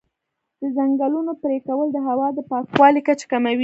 د ځنګلونو پرېکول د هوا د پاکوالي کچه کموي.